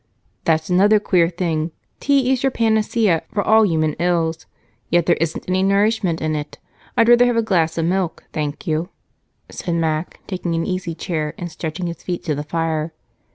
"That's another queer thing. Tea is your panacea for all human ills yet there isn't any nourishment in it. I'd rather have a glass of milk, thank you," said Mac, taking an easy chair and stretching his feet to the fire.